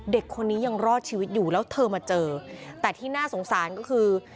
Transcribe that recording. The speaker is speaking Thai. เด็กคนนี้ยังรอดชีวิตอยู่แล้วเธอมาเจอแต่ที่น่าสงสารก็คือ